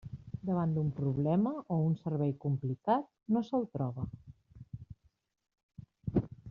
Davant d'un problema o un servei complicat, no se'l troba.